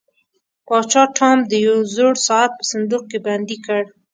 پاچا ټام د یو زوړ ساعت په صندوق کې بندي کړ.